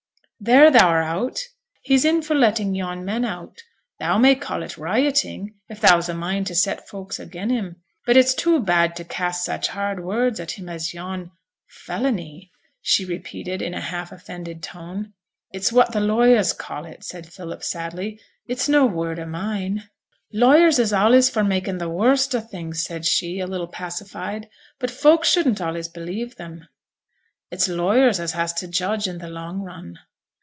'There thou're out; he's in for letting yon men out; thou may call it rioting if thou's a mind to set folks again' him, but it's too bad to cast such hard words at him as yon felony,' she repeated, in a half offended tone. 'It's what the lawyers call it,' said Philip, sadly; 'it's no word o' mine.' 'Lawyers is allays for making the worst o' things,' said she, a little pacified, 'but folks shouldn't allays believe them.' 'It's lawyers as has to judge i' t' long run.'